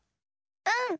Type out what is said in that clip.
うん！